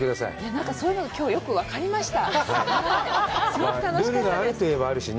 なんか、そういうのがきょう、よく分かりました。